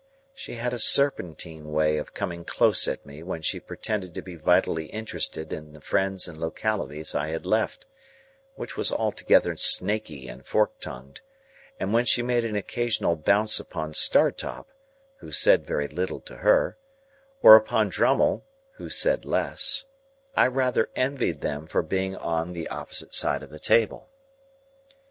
She had a serpentine way of coming close at me when she pretended to be vitally interested in the friends and localities I had left, which was altogether snaky and fork tongued; and when she made an occasional bounce upon Startop (who said very little to her), or upon Drummle (who said less), I rather envied them for being on the opposite side of the table.